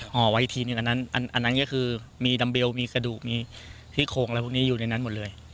ห่อไว้ทีนึงอันนั้นอันนั้นก็คือมีดัมเบลมีกระดูกมีที่โคงอะไรพวกนี้อยู่ในนั้นหมดเลย